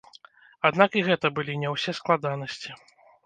Аднак і гэта былі не ўсе складанасці.